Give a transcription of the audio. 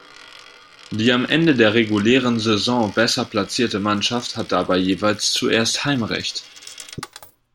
Die am Ende der regulären Saison besser platzierte Mannschaft hat dabei jeweils zuerst Heimrecht.